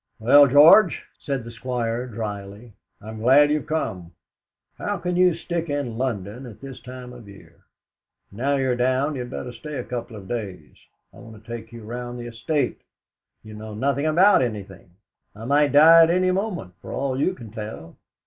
"Well, George," said the Squire dryly, "I'm glad you've come. How you can stick in London at this time of year! Now you're down you'd better stay a couple of days. I want to take you round the estate; you know nothing about anything. I might die at any moment, for all you can tell.